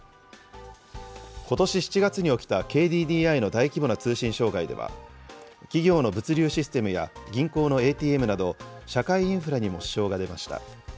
ことし７月に起きたＫＤＤＩの大規模な通信障害では、企業の物流システムや銀行のＡＴＭなど、社会インフラにも支障が出ました。